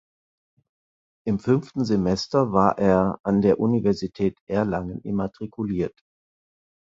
Im fünften Semester war er an der Universität Erlangen immatrikuliert.